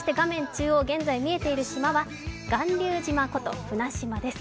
中央現在見えている島は巌流島こと船島です。